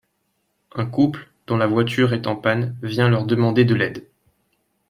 Un couple, dont la voiture est en panne, vient leur demander de l'aide.